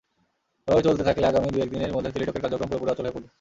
এভাবে চলতে থাকলে আগামী দুই-একদিনের মধ্যে টেলিটকের কার্যক্রম পুরোপুরি অচল হয়ে পড়বে।